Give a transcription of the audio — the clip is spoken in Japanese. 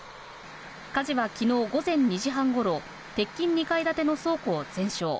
火事は昨日午前２時半頃、鉄筋２階建ての倉庫を全焼。